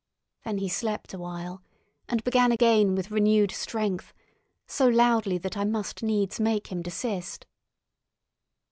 Then he slept awhile, and began again with renewed strength, so loudly that I must needs make him desist.